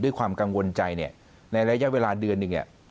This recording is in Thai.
ด้วยความกังวลใจเนี่ยในระยะเวลาเดือนหนึ่งเนี่ย